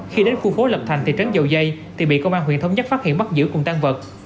khi đến khu phố lập thành thị trấn dầu dây thì bị công an huyện thống nhất phát hiện bắt giữ cùng tan vật